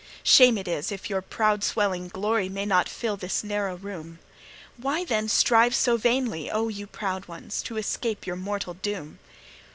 Shame it is, if your proud swelling glory May not fill this narrow room! Why, then, strive so vainly, oh, ye proud ones! To escape your mortal doom?